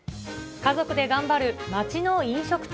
家族で頑張る町の飲食店。